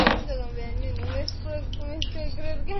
alisema msemaji wa wizara ya mambo ya nje Marekani Ned Price